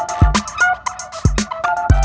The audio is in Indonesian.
kau mau kemana